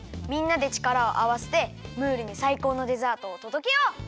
みんなでちからをあわせてムールにさいこうのデザートをとどけよう！